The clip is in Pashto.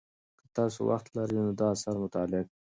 که تاسو وخت لرئ نو دا اثر مطالعه کړئ.